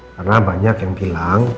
karena banyak yang bilang